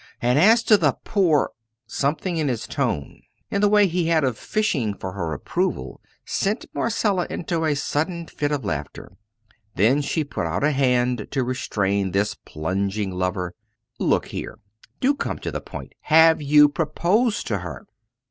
And as to the poor " Something in his tone, in the way he had of fishing for her approval, sent Marcella into a sudden fit of laughter. Then she put out a hand to restrain this plunging lover. "Look here do come to the point have you proposed to her?"